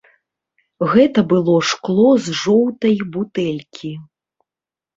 Гэта было шкло з жоўтай бутэлькі.